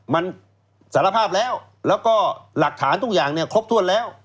มันสารภาพแล้วแล้วก็หลักฐานทุกอย่างเนี่ยครบถ้วนแล้ว